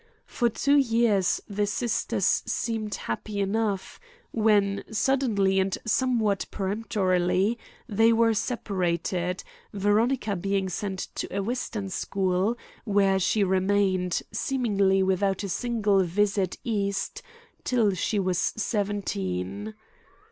For two years the sisters seemed happy enough when, suddenly and somewhat peremptorily, they were separated, Veronica being sent to a western school, where she remained, seemingly without a single visit east, till she was seventeen.